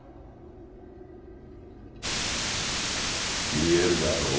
見えるであろう？